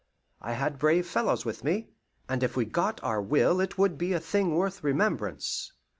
I had brave fellows with me, and if we got our will it would be a thing worth remembrance.